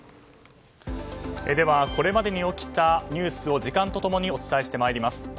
では、これまでに起きたニュースを時間と共にお伝えしてまいります。